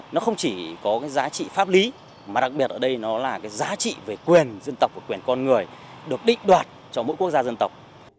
nó không chỉ có cái giá trị pháp lý mà đặc biệt ở đây nó là cái giá trị về quyền dân tộc và quyền con người được định đoạt cho mỗi quốc gia dân tộc